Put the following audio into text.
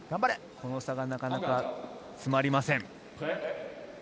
この差が、なかなか詰まりません。